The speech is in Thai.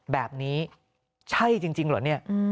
แบบนี้ใช่จริงเหรอเนี่ย